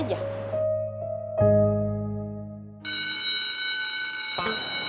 emang udah bel